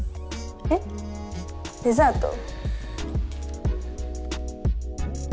えっデザート？